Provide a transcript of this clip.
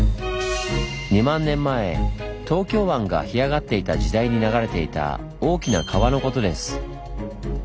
２万年前東京湾が干上がっていた時代に流れていた大きな川のことです。